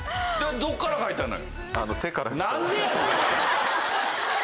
どこから描いたのよ？